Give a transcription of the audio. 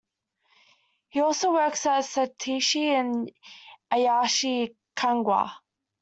He also works as a seitaishi in Ayase, Kanagawa.